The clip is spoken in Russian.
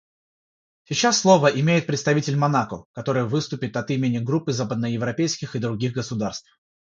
Сейчас слово имеет представитель Монако, который выступит от имени Группы западноевропейских и других государств.